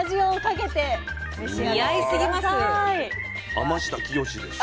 天下清です。